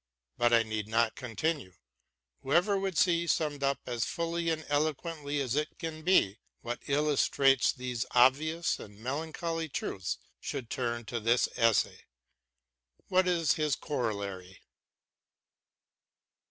But I need not continue ; whoever would see, summed up as fully and eloquently as it can be, what illustrates these obvious and melancholy truths should turn to this essay. What is his corollary